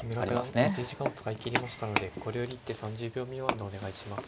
木村九段持ち時間を使い切りましたのでこれより一手３０秒未満でお願いします。